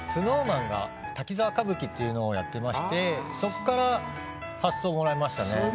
ＳｎｏｗＭａｎが「滝沢歌舞伎」っていうのをやってましてそっから発想もらいましたね。